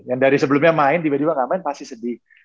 yang dari sebelumnya main tiba tiba gak main pasti sedih